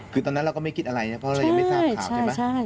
คือตอนนั้นเราก็ไม่คิดอะไรนะเพราะเรายังไม่ทราบข่าวใช่ไหม